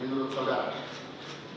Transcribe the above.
di luar saudara